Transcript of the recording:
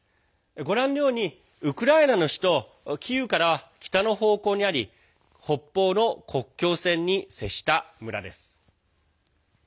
ご覧のように、ウクライナの首都キーウから北の方向にあり北方の国境線に接した村です。